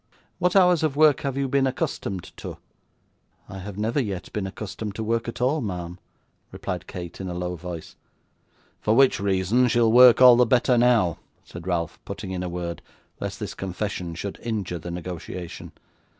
What hours of work have you been accustomed to?' 'I have never yet been accustomed to work at all, ma'am,' replied Kate, in a low voice. 'For which reason she'll work all the better now,' said Ralph, putting in a word, lest this confession should injure the negotiation.